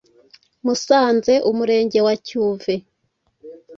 Musanze, Umurenge wa Cyuve.